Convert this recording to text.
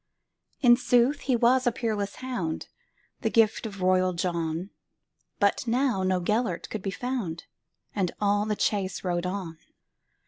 In sooth he was a peerless hound, The gift of royal John; But now no Gêlert could be found, And all the chase rode on.